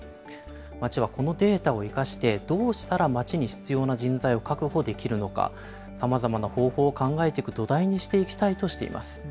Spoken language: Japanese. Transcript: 町はこのデータを生かして、どうしたら町に必要な人材を確保できるのか、さまざまな方法を考えていく土台にしていきたいとしています。